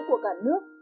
của cả nước